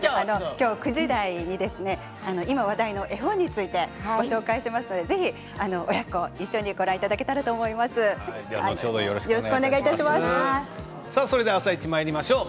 今日９時台に今、話題の絵本についてご紹介しますので、ぜひ親子一緒にご覧いただけたらと思います。、「あさイチ」まいりましょう。